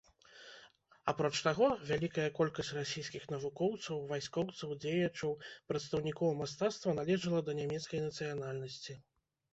Апроч таго, вялікая колькасць расійскіх навукоўцаў, вайскоўцаў дзеячаў, прадстаўнікоў мастацтва належала да нямецкай нацыянальнасці.